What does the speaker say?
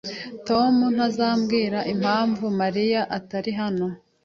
Tom ntazambwira impamvu Mariya atari hano.